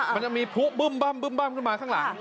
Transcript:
มันจะมีผู้บึ้มขึ้นมาข้างหลัง